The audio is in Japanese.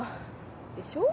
でしょう？